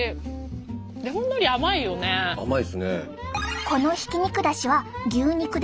甘いっすね。